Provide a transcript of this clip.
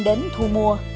đến thu mua